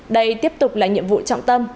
đây tiếp tục là nhiệm vụ trọng tâm